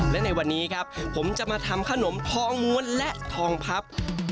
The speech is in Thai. และในวันนี้ครับผมจะมาทำขนมทองม้วนและทองพับ